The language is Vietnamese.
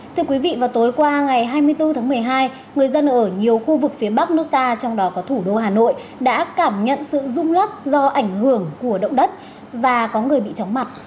thưa quý vị vào tối qua ngày hai mươi bốn tháng một mươi hai người dân ở nhiều khu vực phía bắc nước ta trong đó có thủ đô hà nội đã cảm nhận sự rung lắc do ảnh hưởng của động đất và có người bị chóng mặt